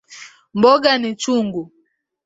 Mboga ni chungu.